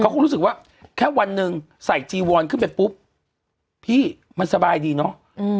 เขาก็รู้สึกว่าแค่วันหนึ่งใส่จีวอนขึ้นไปปุ๊บพี่มันสบายดีเนอะ